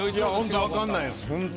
ホント分かんないです。